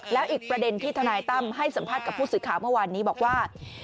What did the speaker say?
แล้วอีกประเด็นที่ทนายตั้มให้สัมภาษณ์กับผู้สื่อข่าวเมื่อวานนี้บอกว่า